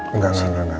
enggak enggak enggak